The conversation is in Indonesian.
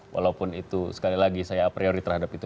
walaupun itu sekali lagi saya a priori terhadap itu